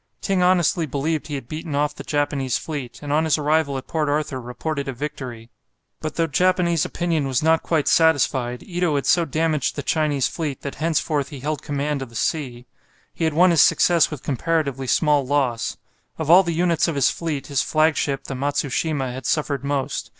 Ting honestly believed he had beaten off the Japanese fleet, and on his arrival at Port Arthur reported a victory. But though Japanese opinion was not quite satisfied, Ito had so damaged the Chinese fleet that henceforth he held command of the sea. He had won his success with comparatively small loss. Of all the units of his fleet his flagship, the "Matsushima," had suffered most.